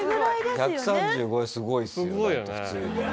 １３５ですごいっすよだって普通に。